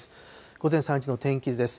午前３時の天気図です。